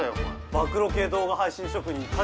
暴露系動画配信職人たじみん。